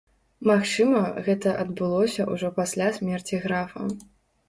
Магчыма, гэта адбылося ўжо пасля смерці графа.